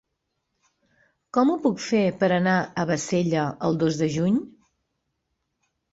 Com ho puc fer per anar a Bassella el dos de juny?